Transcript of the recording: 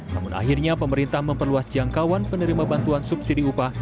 namun akhirnya pemerintah memperluas jangkauan penerima bantuan subsidi upah